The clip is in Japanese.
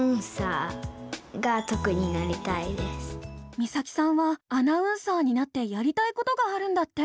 実咲さんはアナウンサーになってやりたいことがあるんだって。